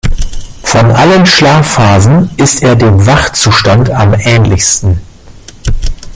Von allen Schlafphasen ist er dem Wachzustand am ähnlichsten.